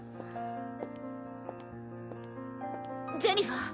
ジェニファー！